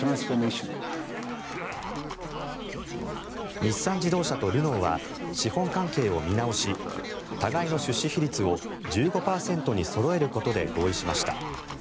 日産自動車とルノーは資本関係を見直し互いの出資比率を１５％にそろえることで合意しました。